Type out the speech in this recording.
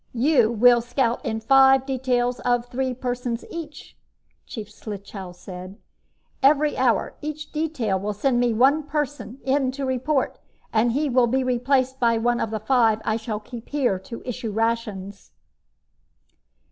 "You will scout in five details of three persons each," Chief Slichow said. "Every hour, each detail will send one person in to report, and he will be replaced by one of the five I shall keep here to issue rations."